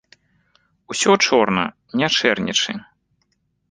Усё чорна, не чэрнячы.